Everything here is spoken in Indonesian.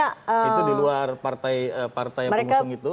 itu diluar partai partai yang belum mengusung itu